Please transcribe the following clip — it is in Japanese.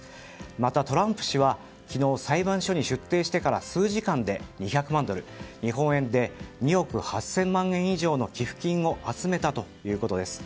また、トランプ氏は昨日、裁判所に出廷してから数時間で２００万ドル日本円で２億８０００万円以上の寄付金を集めたということです。